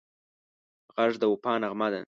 غږ د وفا نغمه ده